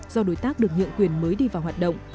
do đối tác được nhượng quyền mới đi vào hoạt động